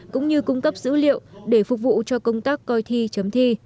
cũng như cung cấp dữ liệu để phục vụ cho công tác coi thi chấm thi